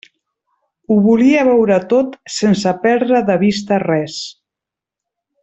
Ho volia veure tot sense perdre de vista res.